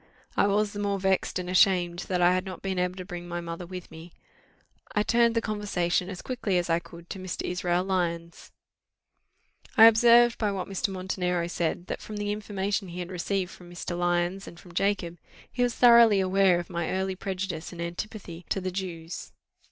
I was the more vexed and ashamed that I had not been able to bring my mother with me. I turned the conversation as quickly as I could to Mr. Israel Lyons. I observed, by what Mr. Montenero said, that from the information he had received from Mr. Lyons and from Jacob, he was thoroughly aware of my early prejudices and antipathy to the Jews.